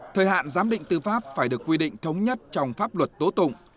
thời hạn giám định tư pháp phải được quy định thống nhất trong pháp luật tố tụng